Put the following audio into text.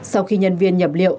sau khi nhân viên nhập liệu